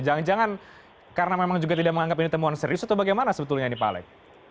jangan jangan karena memang juga tidak menganggap ini temuan serius atau bagaimana sebetulnya ini pak alex